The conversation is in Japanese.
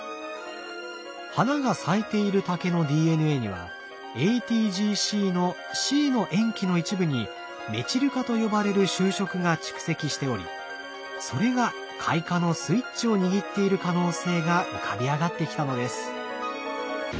花が咲いている竹のＤＮＡにはＡＴＧＣのＣの塩基の一部にメチル化と呼ばれる修飾が蓄積しておりそれが開花のスイッチを握っている可能性が浮かび上がってきたのです。